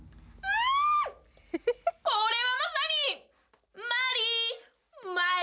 これはまさに。